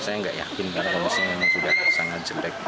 saya nggak yakin kan kondisinya memang sudah sangat jelek